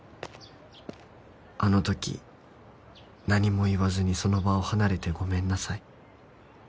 「あの時何も言わずにその場を離れてごめんなさい」